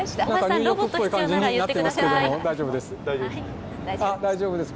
ニューヨークっぽい感じになってますけど大丈夫です。